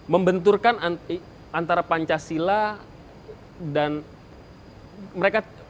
membenturkan antara pancasila dan mereka